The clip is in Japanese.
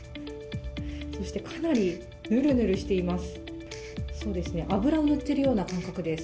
そして、かなりぬるぬるしています。